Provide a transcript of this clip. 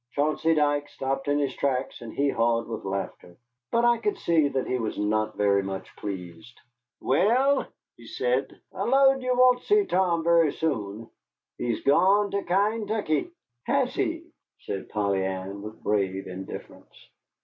Chauncey Dike stopped in his tracks and haw hawed with laughter. But I could see that he was not very much pleased. "Wal," said he, "I 'low ye won't see Tom very soon. He's gone to Kaintuckee." "Has he?" said Polly Ann, with brave indifference.